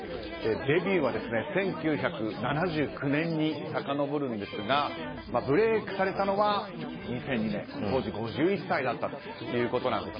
デビューは１９７９年にさかのぼるんですがブレークされたのは２００２年当時５１歳だったということです。